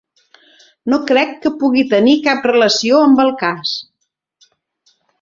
No crec que pugui tenir cap relació amb el cas.